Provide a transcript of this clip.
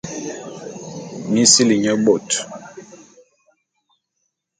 Mi sili nye bôt.